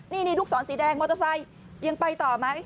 นี่ลูกศรสีแดงมอเตอร์ไซค์ยังไปต่อไหม